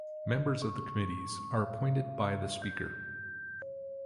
Members of the committees are appointed by the Speaker.